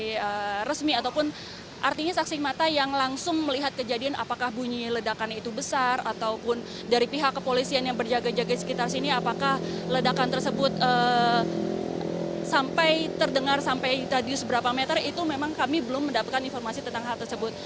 informasi resmi ataupun artinya saksi mata yang langsung melihat kejadian apakah bunyi ledakan itu besar ataupun dari pihak kepolisian yang berjaga jaga di sekitar sini apakah ledakan tersebut sampai terdengar sampai tadi seberapa meter itu memang kami belum mendapatkan informasi tentang hal tersebut